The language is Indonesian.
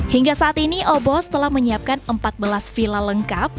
hingga saat ini obos telah menyiapkan empat belas villa lengkap